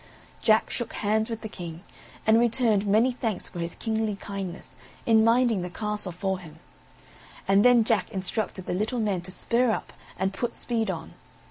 Jack shook hands with the King, and returned many thanks for his kingly kindness in minding the castle for him; and then Jack instructed the little men to spur up and put speed on.